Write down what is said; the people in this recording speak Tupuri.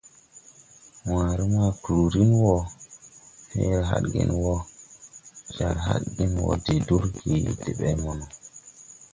Wããre ma kluuri wɔ feere hadgen wɔ, jar hadgen wɔ de durgi de ɓɛ mono.